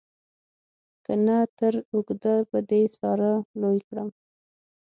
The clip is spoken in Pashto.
که نه تر اوږده به دې په ساره لوی کړم.